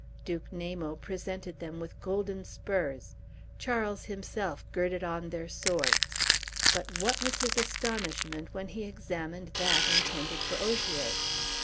Duke Namo presented them with golden spurs, Charles himself girded on their swords. But what was his astonishment when he examined that intended for Ogier!